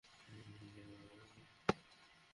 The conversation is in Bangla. এ জন্যে কোন পারিশ্রমিক আমি তোমাদের কাছে চাই না।